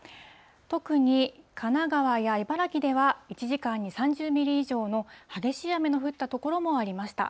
特に神奈川や茨城では、１時間に３０ミリ以上の激しい雨の降った所もありました。